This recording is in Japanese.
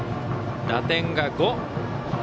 打点が５。